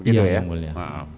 iya yang mulia